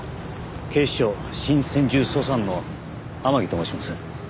警視庁新専従捜査班の天樹と申します。